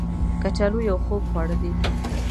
کچالو یو خوږ خواړه دی